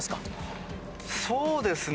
そうですね。